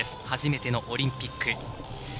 初めてのオリンピック。